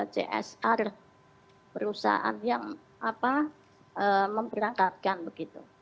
csr perusahaan yang memberangkatkan begitu